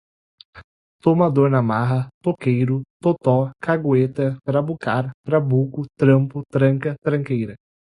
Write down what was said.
tomador na marra, toqueiro, totó, cagueta, trabucar, trabuco, trampo, tranca, tranqueira